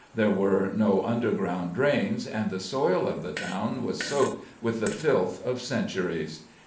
There were no underground drains, and the soil of the town was soaked with the filth of centuries.